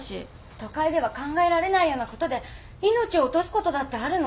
都会では考えられないようなことで命を落とすことだってあるの。